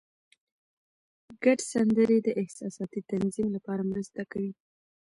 ګډ سندرې د احساساتي تنظیم لپاره مرسته کوي.